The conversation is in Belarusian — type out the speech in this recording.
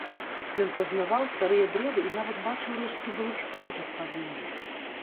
Ён пазнаваў старыя дрэвы і нават бачыў рэшткі былых сцежак пад імі.